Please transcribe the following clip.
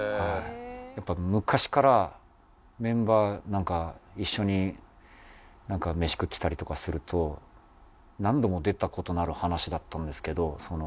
やっぱ昔からメンバー一緒に飯食ってたりとかすると何度も出た事のある話だったんですけど。